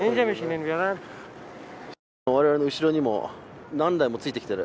我々の後にも何台もついてきてる。